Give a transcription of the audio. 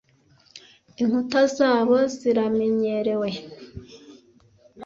Inkuta zabo ziramenyerewe